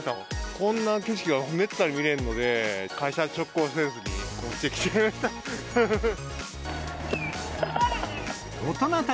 こんな景色はめったに見れんので、会社に直行せずにこっち来ちゃいました。